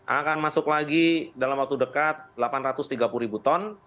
akan masuk lagi dalam waktu dekat delapan ratus tiga puluh ribu ton